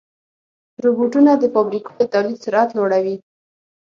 روبوټونه د فابریکو د تولید سرعت لوړوي.